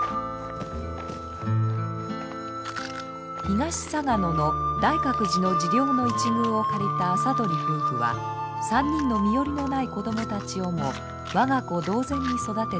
東嵯峨野の大覚寺の寺領の一隅を借りた麻鳥夫婦は３人の身寄りのない子供たちをも我が子同然に育てておりました。